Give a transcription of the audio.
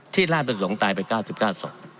ที่ราวไปสงฆ์ตายไป๙๙ศพ